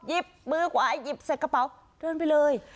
มือขวาหยิบเสร็จกระเป๋าเดินไปเลย